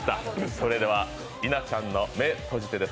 それでは稲ちゃんの「目閉じて？」です。